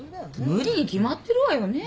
無理に決まってるわよね。